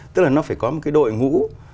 tức là nó phải có một cái đội ngũ